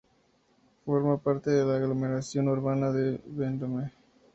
Forma parte de la aglomeración urbana de Vendôme.